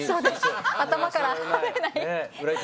頭から離れない。